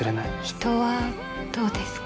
人はどうですか。